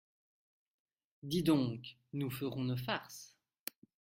Dis donc, nous ferons nos farces !